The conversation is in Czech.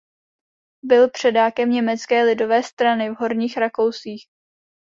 Byl předákem Německé lidové strany v Horních Rakousích.